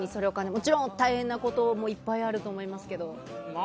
もちろん大変なこともいっぱいあると思いますけど。